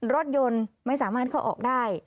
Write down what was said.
รถยนต์ไม่สามารถเข้าออกได้